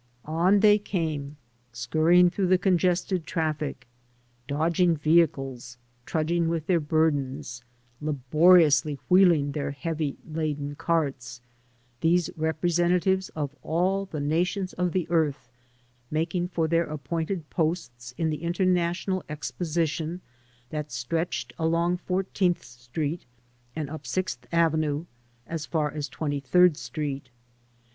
On they came, scurrying through the congested traflSc, dodging vehicles, trudging with their burdens, laboriously wheeling their heavy laden carts — these representatives of all the nations of the earth making for their appointed posts in the international exposition that stretched along Fourteenth Street and up Sixth Avenue as far as Twenty third Street.